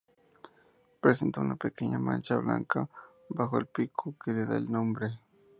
Presenta una pequeña mancha blanca bajo el pico que le da nombre.